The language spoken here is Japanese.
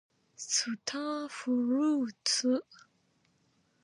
スターフルーツ